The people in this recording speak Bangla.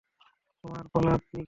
তোমার পালা, পিগ।